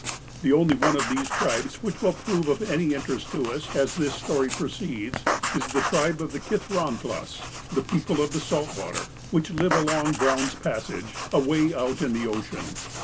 The only one of these tribes which will prove of any interest to us, as this story proceeds, is the tribe of the Kithrahtlas (the people of the salt water), which lived along Brown's Passage, away out in the ocean.